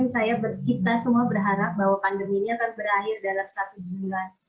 tadinya kan saya kita semua berharap bahwa pandemi ini akan berakhir dalam satu bulan